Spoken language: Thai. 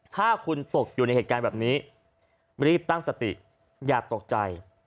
ถ้าคุณตกอยู่ในเหตุการณ์แบบนี้รีบตั้งสติอย่าตกใจ